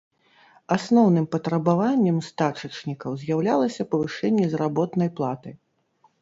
Асноўным патрабаваннем стачачнікаў з'яўлялася павышэнне заработнай платы.